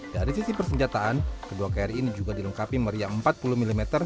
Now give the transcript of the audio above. dari sisi persenjataan kedua kri ini juga dilengkapi meriah empat puluh mm